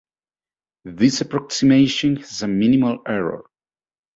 This approximation has a minimal error.